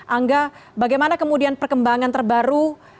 angga bagaimana kemudian perkembangan terbaru